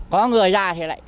có người ra thì lại